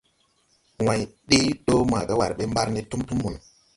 Way ɗee do maaga war ɓɛ mbar ne tum tum mono.